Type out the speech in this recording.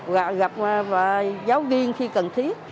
và giáo viên khi cần thiết